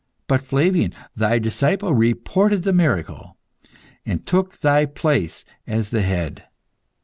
But Flavian, thy disciple, reported the miracle, and took thy place as the head.